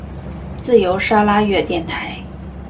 自由砂拉越电台。